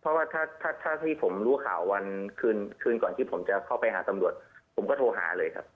เพราะว่าถ้าที่ผมรู้ข่าววันคืนก่อนที่ผมจะเข้าไปหาตำรวจผมก็โทรหาเลยครับ